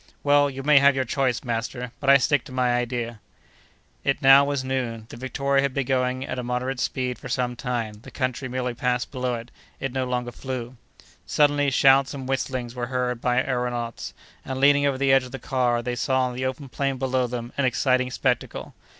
"Well, you may have your choice, master, but I stick to my idea." It now was noon. The Victoria had been going at a more moderate speed for some time; the country merely passed below it; it no longer flew. Suddenly, shouts and whistlings were heard by our aëronauts, and, leaning over the edge of the car, they saw on the open plain below them an exciting spectacle.